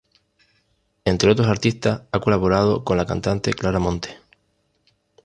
Entre otros artistas ha colaborado con la cantante Clara Montes.